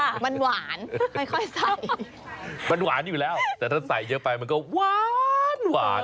มันหวานไม่ค่อยใส่มันหวานอยู่แล้วแต่ถ้าใส่เยอะไปมันก็หวานหวาน